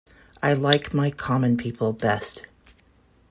I like my common people best.